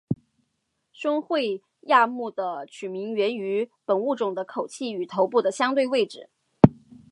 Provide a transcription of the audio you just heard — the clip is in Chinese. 胸喙亚目的取名源于本物种的口器与头部的相对位置。